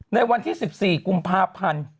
ในวันที่๑๔กุมภาพันธ์